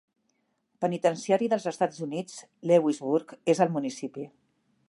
Penitenciari dels Estats Units, Lewisburg és al municipi.